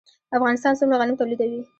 افغانستان څومره غنم تولیدوي؟